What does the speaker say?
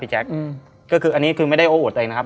พี่แจ๊คอืมก็คืออันนี้คือไม่ได้โอ้ดเองนะครับ